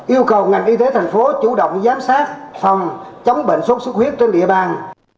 yêu cầu ngành y tế thành phố chủ động giám sát phòng chống bệnh sốt xuất huyết trên địa bàn